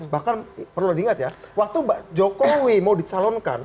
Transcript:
bahkan perlu diingat ya waktu pak jokowi mau dicalonkan